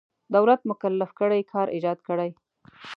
دولت مکلف کړی کار ایجاد کړي.